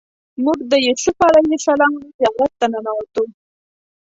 موږ د یوسف علیه السلام زیارت ته ننوتو.